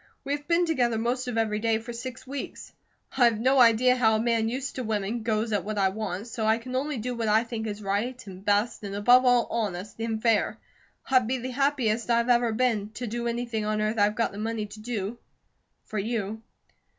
We have been together most of every day for six weeks. I have no idea how a man used to women goes at what I want, so I can only do what I think is right, and best, and above all honest, and fair. I'd be the happiest I've ever been, to do anything on earth I've got the money to do, for you.